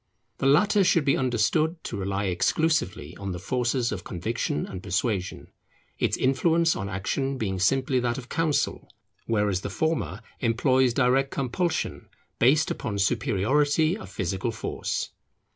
The latter should be understood to rely exclusively on the forces of conviction and persuasion; its influence on action being simply that of counsel; whereas the former employs direct compulsion, based upon superiority of physical force.